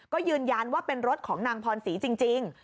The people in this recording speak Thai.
ก็ยืนยันว่าเป็นรถของนางพรศรีจริง